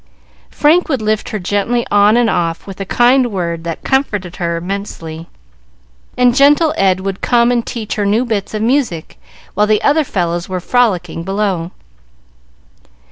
Frank would lift her gently on and off, with a kind word that comforted her immensely, and gentle Ed would come and teach her new bits of music, while the other fellows were frolicking below.